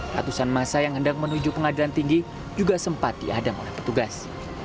ratusan masa yang hendak menuju pengadilan tinggi juga sempat diadang oleh petugas